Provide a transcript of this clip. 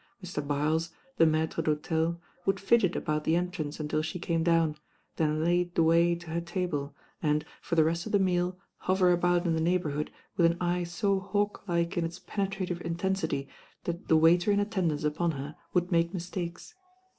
Mr. Byles, the maitre d'hotel, would fidget about the entrance until she came down, then lead the way to her table and, for the rest of the meal, hover about In the neighbourhood with an eye so hawk like in its penetrative intensity, that the waiter in attendance upon her would make mistakes.